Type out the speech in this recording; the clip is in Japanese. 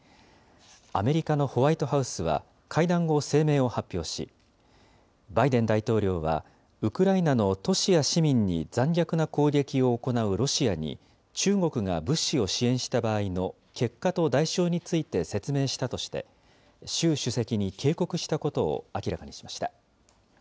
アメリカのホワイトハウスは、会談後、声明を発表し、バイデン大統領は、ウクライナの都市や市民に残虐な攻撃を行うロシアに中国が物資を支援した場合の結果と代償について説明したとして、習主席に警告したことを明らかにしました。